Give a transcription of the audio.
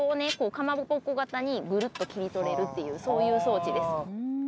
かまぼこ型にグルッと切り取れるっていうそういう装置です